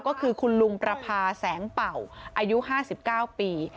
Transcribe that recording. ก็คือคุณลุงประพาแสงเป่าอายุ๕๙ปี